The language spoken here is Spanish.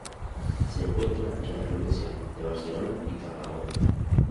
Se encuentra en las provincias de Barcelona y Tarragona.